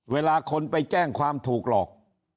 เวลาคนไปแจ้งความถูกหลอก